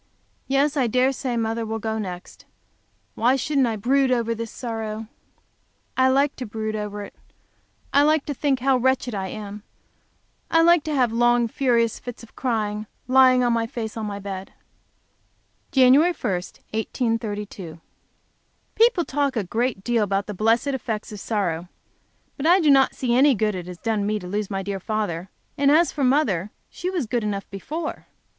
Yes, I dare say mother will go next. Why shouldn't I brood over this sorrow? I like to brood over it; I like to think how wretched I am; I like to have long, furious fits of crying, lying on my face on the bed. Jan. I, 1832. People talk a great deal about the blessed effects of sorrow. But I do not see any good it has done me to lose my dear father, and as to mother she was good enough before.